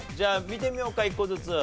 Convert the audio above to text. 見てみようか一個ずつ。